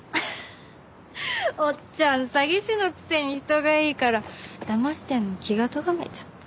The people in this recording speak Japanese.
おっちゃん詐欺師のくせに人がいいからだましてるの気がとがめちゃった。